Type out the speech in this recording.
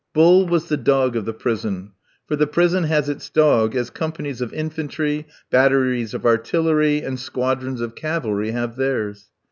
Bull was the dog of the prison; for the prison has its dog as companies of infantry, batteries of artillery, and squadrons of cavalry have theirs.